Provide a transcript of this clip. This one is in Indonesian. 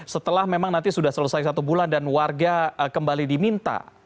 setelah memang nanti sudah selesai satu bulan dan warga kembali diminta